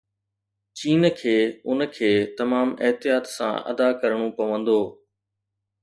چين کي ان کي تمام احتياط سان ادا ڪرڻو پوندو